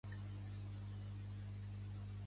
Reprodueix una banda sonora de Gregory Douglass.